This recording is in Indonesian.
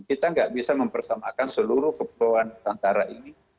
kita tidak bisa mempersamakan seluruh keperluan antara ini